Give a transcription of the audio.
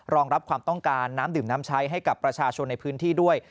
รองรับความต้องการน้ำดื่มน้ำใช้ให้กับประชาชนในพื้นที่ด้วย